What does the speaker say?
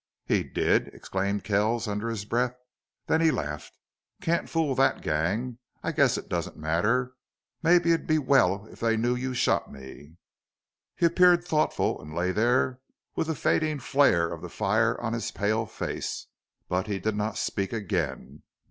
"He did!" exclaimed Kells under his breath. Then he laughed. "Can't fool that gang. I guess it doesn't matter. Maybe it'd be well if they knew you shot me." He appeared thoughtful, and lay there with the fading flare of the fire on his pale face. But he did not speak again.